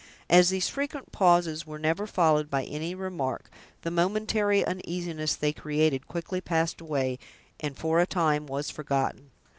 As these frequent pauses were never followed by any remark, the momentary uneasiness they created quickly passed away, and for a time was forgotten.